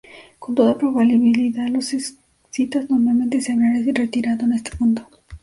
Con toda probabilidad los escitas normalmente se habrían retirado en este punto.